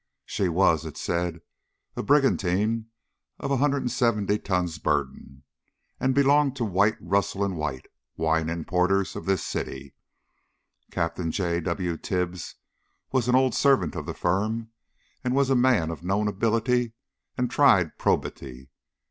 "She was," it said, "a brigantine of 170 tons burden, and belonged to White, Russell & White, wine importers, of this city. Captain J. W. Tibbs was an old servant of the firm, and was a man of known ability and tried probity.